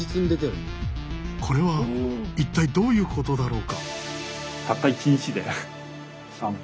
これは一体どういうことだろうか。